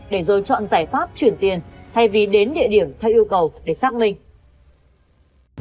để rồi chọn giải pháp chuyển tiền thay vì đến địa điểm theo yêu cầu để xác minh